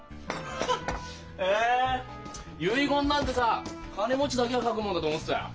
ハハッへえ遺言なんてさ金持ちだけが書くもんだと思ってたよ。